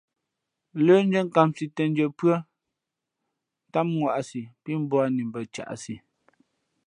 Lə́ndʉ́ά nkāmsī těndʉ̄ᾱ pʉ́ά tám ŋwāꞌsī pí mbūαni mbα caʼsi.